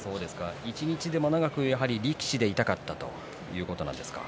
一日でも長くやはり力士でいたかったということなんですか。